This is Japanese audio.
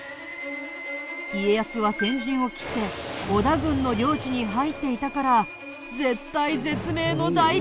家康は先陣を切って織田軍の領地に入っていたから絶体絶命の大ピンチ！